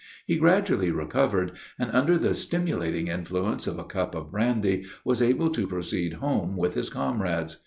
He gradually recovered, and, under the stimulating influence of a cup of brandy, was able to proceed home with his comrades.